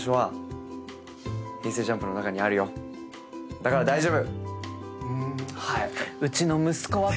だから大丈夫！